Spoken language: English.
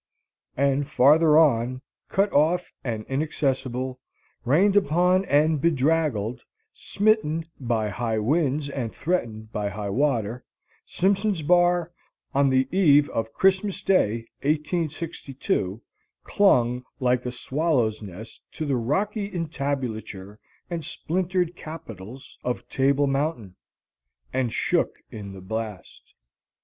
And farther on, cut off and inaccessible, rained upon and bedraggled, smitten by high winds and threatened by high water, Simpson's Bar, on the eve of Christmas day, 1862, clung like a swallow's nest to the rocky entablature and splintered capitals of Table Mountain, and shook in the blast.